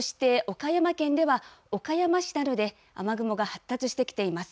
岡山県では、岡山市などで、雨雲が発達してきています。